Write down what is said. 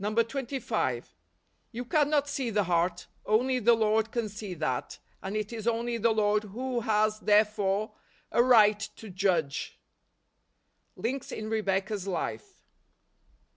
25. You cannot see the heart. Only the Lord can see that, and it is only the Lord who has, therefore, a right to judge. Links In Rebecca's Life.